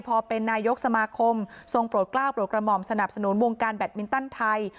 พอเป็นนายกสมาคมทรงโปรดกล้าวโปรดกระหม่อมสนับสนุนวงการแบตมินตันไทย